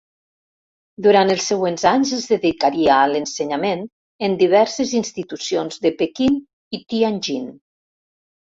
Durant els següents anys es dedicaria a l'ensenyament en diverses institucions de Pequín i Tianjin.